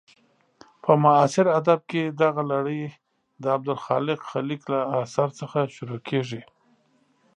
په معاصر ادب کې دغه لړۍ د عبدالخالق خلیق له اثر څخه شروع کېږي.